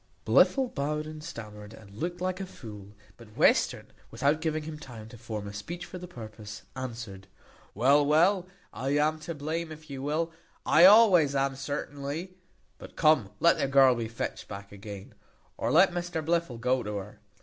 Blifil bowed and stammered, and looked like a fool; but Western, without giving him time to form a speech for the purpose, answered, "Well, well, I am to blame, if you will, I always am, certainly; but come, let the girl be fetched back again, or let Mr Blifil go to her.